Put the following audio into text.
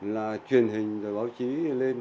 là truyền hình báo chí lên